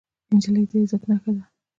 نجلۍ د عزت نښه ده.